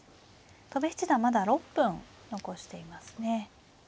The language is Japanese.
戸辺七段まだ６分残していますね。